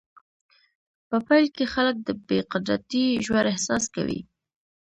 په پیل کې خلک د بې قدرتۍ ژور احساس کوي.